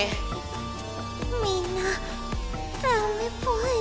みんなダメぽよ。